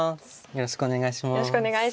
よろしくお願いします。